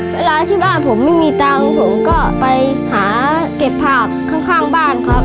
เวลาที่บ้านผมไม่มีตังค์ผมก็ไปหาเก็บผักข้างบ้านครับ